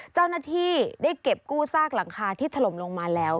เจ้าหน้าที่ได้เก็บกู้ซากหลังคาที่ถล่มลงมาแล้ว